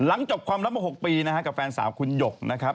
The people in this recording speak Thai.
จบความลับมา๖ปีนะฮะกับแฟนสาวคุณหยกนะครับ